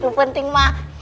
tuh penting mah